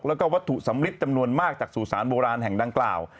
แล้วก็วัตถุสำลิดจำนวนมากจากสู่สารโบราณแห่งดังกล่าว